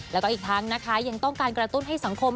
แล้วก็อีกทั้งนะคะยังต้องการกระตุ้นให้สังคม